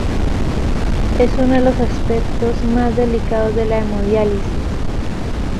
Es uno de los aspectos más delicados de la hemodiálisis.